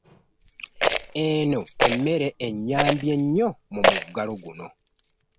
Eno emmere enyambye nnyo mu muggalo guno.